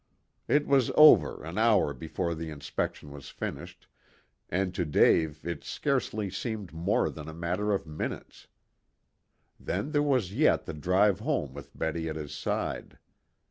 It was over an hour before the inspection was finished, and to Dave it scarcely seemed more than a matter of minutes. Then there was yet the drive home with Betty at his side.